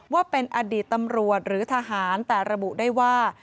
ว่าเป็นอดีตตำรวจหรือทหารแต่ระบุได้ว่า